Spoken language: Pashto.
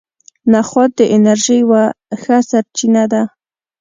نخود د انرژۍ یوه ښه سرچینه ده.